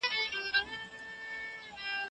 د کار مؤلديت او د توليد کيفيت ته ځانګړې پاملرنه وکړئ.